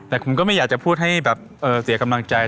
แต่ผมก็ไม่อยากจะพูดให้แบบเสียกำลังใจ